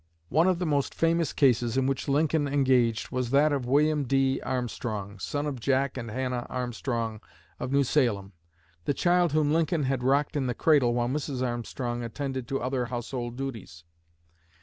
One of the most famous cases in which Lincoln engaged was that of William D. Armstrong, son of Jack and Hannah Armstrong of New Salem, the child whom Lincoln had rocked in the cradle while Mrs. Armstrong attended to other household duties.